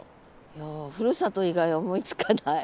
いやふるさと以外思いつかない。